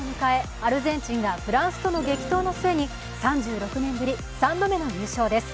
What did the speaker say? アルゼンチンがフランスとの激闘の末に３６年ぶり３度目の優勝です。